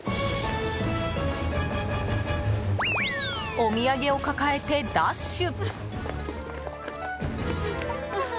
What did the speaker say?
お土産を抱えて、ダッシュ！